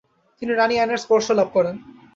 তিনি রানী অ্যানের স্পর্শ লাভ করেন।